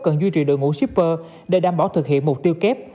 cần duy trì đội ngũ shipper để đảm bảo thực hiện mục tiêu kép